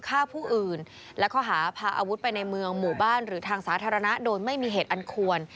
ฆ่าผู้อื่นและข้อหาพาอาวุธไปในเมืองหมู่บ้านหรือทางสาธารณะโดยไม่มีเหตุอันควร